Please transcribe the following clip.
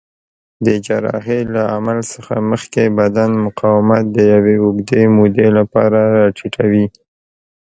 د جراحۍ له عمل څخه مخکې بدن مقاومت د یوې اوږدې مودې لپاره راټیټوي.